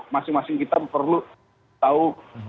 masing masing kita perlu tahu